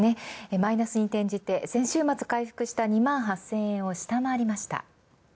マイナスに転じて先週末に回復した２万８０００円を下回りました。